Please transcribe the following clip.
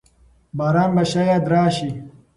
باران به شاید راشي.